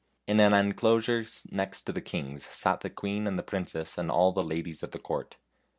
In an inclosure next the king's sat the queen and the princess and all the ladies of the court.